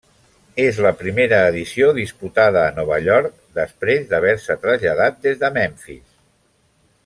És la primera edició disputada a Nova York després d'haver-se traslladat des de Memphis.